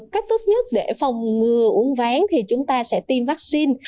cách tốt nhất để phòng ngừa uống ván thì chúng ta sẽ tiêm vaccine